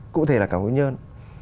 cụ thể là cả huy nhân